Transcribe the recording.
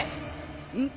うん？